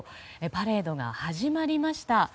パレードが始まりました。